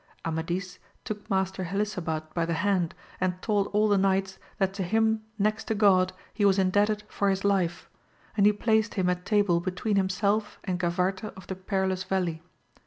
Amadis took Master Helisabad by the hand, and told all the knights that to him next to God he was indebted for his life, and he placed him at table between himself and Gavarte of the Perilous Valley.